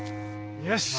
よし。